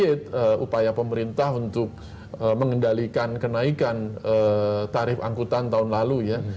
ini upaya pemerintah untuk mengendalikan kenaikan tarif angkutan tahun lalu ya